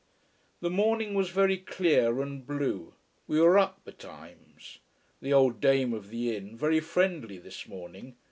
The morning was very clear and blue. We were up betimes. The old dame of the inn very friendly this morning.